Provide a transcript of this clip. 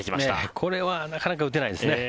これはなかなか打てないですね。